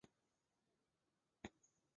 克吕维耶尔拉斯库尔。